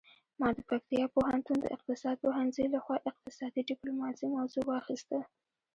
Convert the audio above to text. ما د پکتیا پوهنتون د اقتصاد پوهنځي لخوا اقتصادي ډیپلوماسي موضوع واخیسته